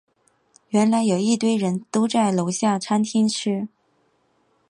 原来有一堆人都在楼下餐厅吃